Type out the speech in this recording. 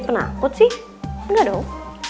penakut sih enggak dong